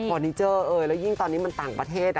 นิเจอร์แล้วยิ่งตอนนี้มันต่างประเทศ